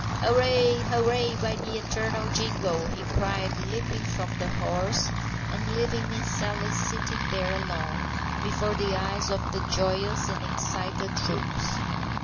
"Hooray! hooray! By the eternal jingo!" he cried, leaping from the horse, and leaving Miss Sally sitting there alone, before the eyes of the joyous and excited troops.